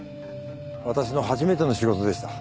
私の初めての仕事でした。